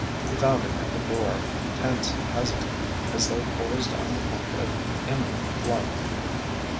He found her near the door, tense and hesitant, as though poised on the point of imminent flight.